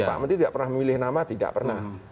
dan pak menteri tidak pernah memilih nama tidak pernah